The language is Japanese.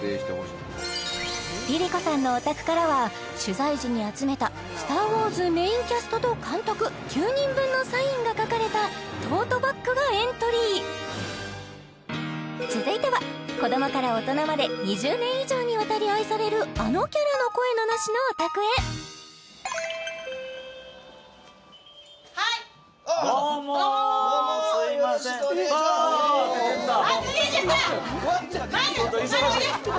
えっここＬｉＬｉＣｏさんのお宅からは取材時に集めた「スター・ウォーズ」メインキャストと監督９人分のサインが書かれたトートバッグがエントリー続いては子どもから大人まで２０年以上にわたり愛されるあのキャラの声の主のお宅へはいどうもどうもよろしくお願いしますあっ出ていっちゃった